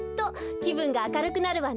きぶんがあかるくなるわね。